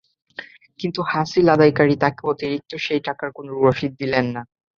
কিন্তু হাসিল আদায়কারী তাঁকে অতিরিক্ত সেই টাকার কোনো রসিদ দিলেন না।